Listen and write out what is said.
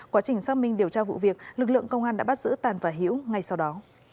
quá trình xác minh điều tra vụ việc lực lượng công an đã bắt giữ tàn và hiễu ngay sau đó